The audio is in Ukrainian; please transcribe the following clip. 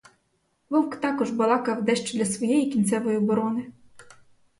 Вовк також балакав дещо для своєї кінцевої оборони.